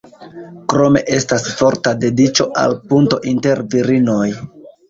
Krome estas forta dediĉo al punto inter virinoj.